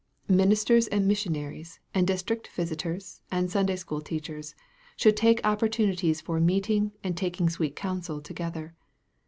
Ministers and missionaries, and district visitors, and Sunday school teachers, should take opportunities for meeting, and taking sweet counsel together.